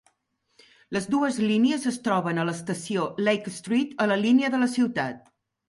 Les dues línies es troben a l"estació Lake Street a la línia de la ciutat.